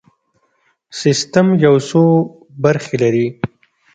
سیستم یو څو برخې لري.